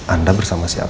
anda bersama siapa